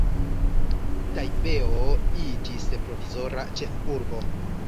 Tajpeo iĝis provizora ĉefurbo.